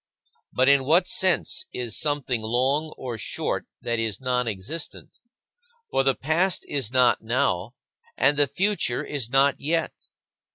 But in what sense is something long or short that is nonexistent? For the past is not now, and the future is not yet.